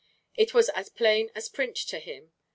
It was as plain as print to him.